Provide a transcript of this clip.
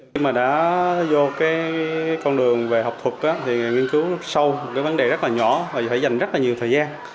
khi mà đã vô cái con đường về học thuật thì nghiên cứu sâu một cái vấn đề rất là nhỏ và phải dành rất là nhiều thời gian